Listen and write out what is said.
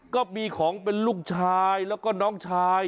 ก็มีของเป็นลูกชายแล้วก็น้องชาย